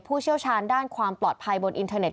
เชี่ยวชาญด้านความปลอดภัยบนอินเทอร์เน็